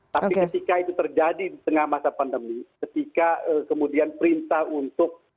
tapi ketika itu terjadi di tengah masa pandemi ketika kemudian perintah untuk